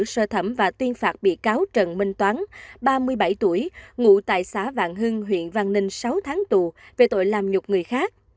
sơ thẩm và tuyên phạt bị cáo trần minh toán ba mươi bảy tuổi ngụ tại xã vạn hưng huyện văn ninh sáu tháng tù về tội làm nhục người khác